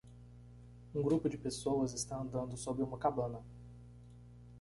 Um grupo de pessoas está andando sob uma cabana.